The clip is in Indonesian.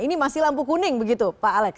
ini masih lampu kuning begitu pak alex